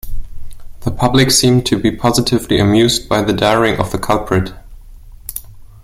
The public seemed to be positively amused by the daring of the culprit.